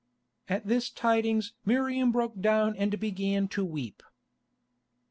At this tidings Miriam broke down and began to weep.